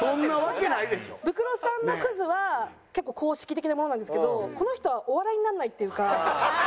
ブクロさんのクズは結構公式的なものなんですけどこの人はお笑いにならないっていうか。